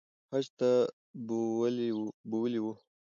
حج ته بوولي وو